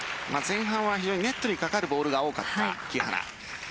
前半はネットにかかるボールが多かった木原。